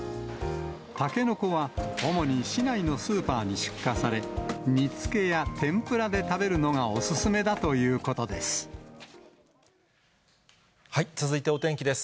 タケノコは主に市内のスーパーに出荷され、煮つけや天ぷらで食べるのがお勧めだということで続いてお天気です。